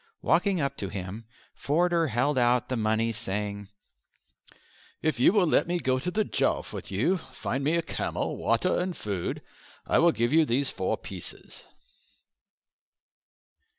Walking up to him Forder held out the money saying, "If you will let me go to the Jowf with you, find me camel, water and food, I will give you these four pieces."